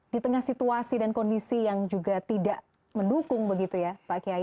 di tengah situasi dan kondisi yang juga tidak mendukung begitu ya pak kiai